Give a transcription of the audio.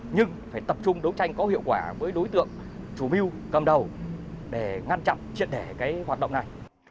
nhưng phải tập trung đấu tranh có hiệu quả với đối tượng chủ mưu cầm đầu để ngăn chặn triệt đẻ cái hoạt động này